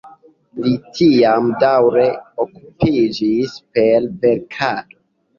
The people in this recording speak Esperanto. Li tiam daŭre okupiĝis per verkado.